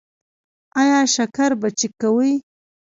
ایا شکر به چیک کوئ؟